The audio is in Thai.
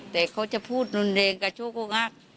แต่เขาจะพูดลนเรงกับโชโกงัก